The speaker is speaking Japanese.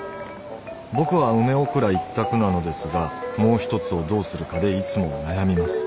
僕は梅おくら一択なのですがもう一つをどうするかでいつも悩みます。